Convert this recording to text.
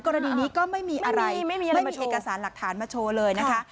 กรณีนี้ก็ไม่มีอะไรไม่มีเอกสารหลักฐานมาโชว์เลยนะคะ